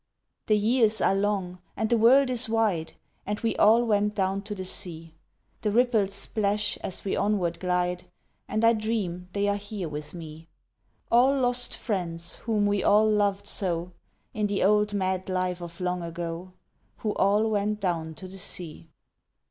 The years are long, and the world is wide, And we all went down to the sea; The ripples splash as we onward glide, And I dream they are here with me All lost friends whom we all loved so, In the old mad life of long ago, Who all went down to the sea.